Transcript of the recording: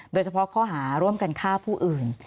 โดยเฉพาะข้อหาร่วมกันฆ่าผู้อื่น